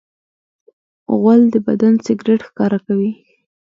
غول د بدن سګرټ ښکاره کوي.